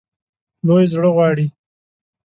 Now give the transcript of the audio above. لوی زړه غواړي.